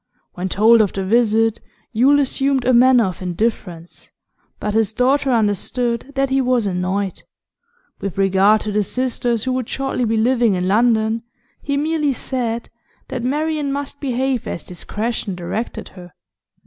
When told of the visit, Yule assumed a manner of indifference, but his daughter understood that he was annoyed. With regard to the sisters who would shortly be living in London, he merely said that Marian must behave as discretion directed her.